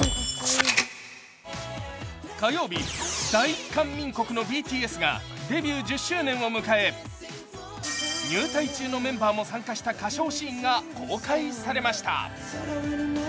火曜日、大韓民国のＢＴＳがデビュー１０周年を迎え、入隊中のメンバーも参加した歌唱シーンが公開されました。